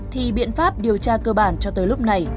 thì biện pháp điều tra cơ bản cho tới lúc này